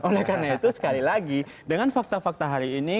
oleh karena itu sekali lagi dengan fakta fakta hari ini